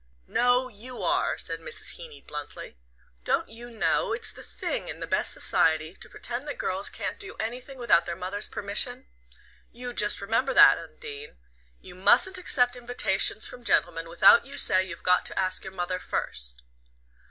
"No you are," said Mrs. Heeny bluntly. "Don't you know it's the thing in the best society to pretend that girls can't do anything without their mothers' permission? You just remember that. Undine. You mustn't accept invitations from gentlemen without you say you've got to ask your mother first."